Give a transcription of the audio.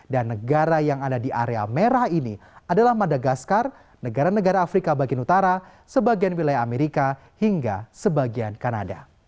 dan negara yang ada di area merah ini adalah madagaskar negara negara afrika bagian utara sebagian wilayah amerika hingga sebagian kanada